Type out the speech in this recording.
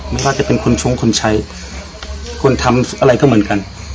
ไม่ว่าจะเป็นคนชงคนใช้คนทำอะไรก็เหมือนกัน